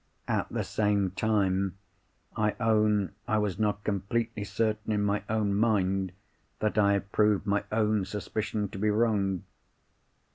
At the same time, I own I was not completely certain in my own mind that I had proved my own suspicion to be wrong.